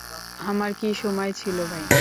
আমার কি সময় ছিল ভাই?